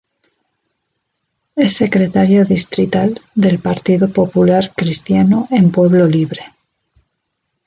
Es Secretario distrital del Partido Popular Cristiano en Pueblo Libre.